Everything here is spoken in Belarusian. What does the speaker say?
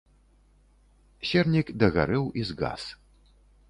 Сернік дагарэў і згас.